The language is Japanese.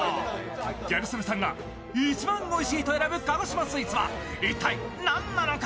ギャル曽根さんが一番おいしいと選ぶ鹿児島スイーツは一体なんなのか。